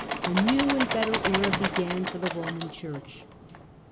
a new and better era began for the Eoman Church.